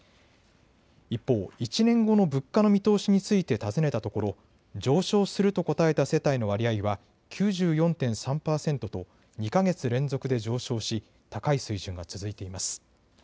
一方、１年後の物価の見通しについて尋ねたところ上昇すると答えた世帯の割合は９４．３％と２か月連続で上昇し高い水準が続いています。